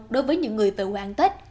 đối với những người về quê ăn tết